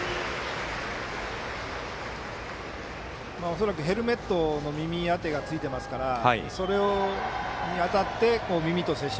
恐らくヘルメットの耳当てがついていますからそれに当たって耳と接触。